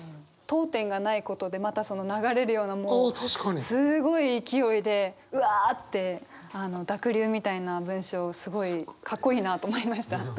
読点がないことでまたその流れるようなすごい勢いでうわって濁流みたいな文章すごいかっこいいなと思いました。